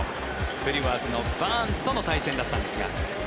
ブリュワーズのバーンズとの対戦だったんですが。